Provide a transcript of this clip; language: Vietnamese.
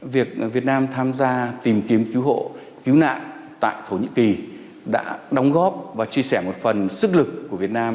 việc việt nam tham gia tìm kiếm cứu hộ cứu nạn tại thổ nhĩ kỳ đã đóng góp và chia sẻ một phần sức lực của việt nam